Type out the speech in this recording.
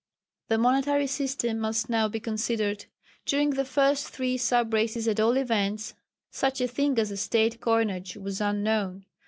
The monetary system must now be considered. During the first three sub races at all events, such a thing as a State coinage was unknown.